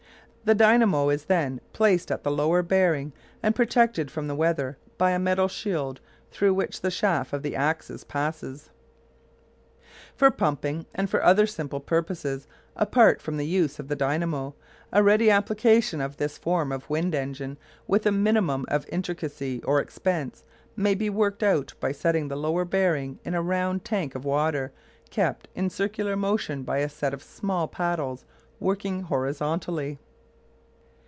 The dynamo is then placed at the lower bearing and protected from the weather by a metal shield through which the shaft of the axis passes. For pumping, and for other simple purposes apart from the use of the dynamo, a ready application of this form of wind engine with a minimum of intricacy or expense may be worked out by setting the lower bearing in a round tank of water kept in circular motion by a set of small paddles working horizontally.